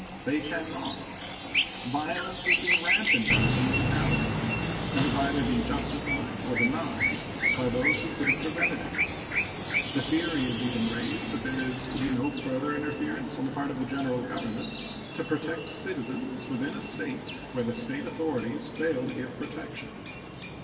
They can not. Violence has been rampant in some localities, and has either been justified or denied by those who could have prevented it. The theory is even raised that there is to be no further interference on the part of the General Government to protect citizens within a State where the State authorities fail to give protection.